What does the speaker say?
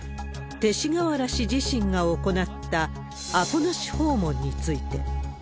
勅使河原氏自身が行ったアポなし訪問について。